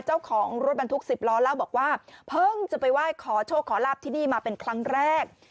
เจ้าของรถบรรทุก๑๐ล้อเล่าบอกว่าเพิ่งจะไปไหว้ขอโชคขอลาบที่นี่มาเป็นครั้งแรก